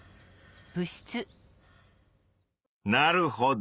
なるほど。